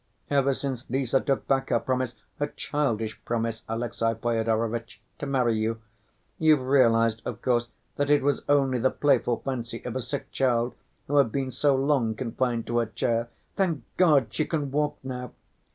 Ever since Lise took back her promise—her childish promise, Alexey Fyodorovitch—to marry you, you've realized, of course, that it was only the playful fancy of a sick child who had been so long confined to her chair—thank God, she can walk now!...